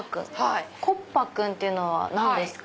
コッパクンっていうのは何ですか？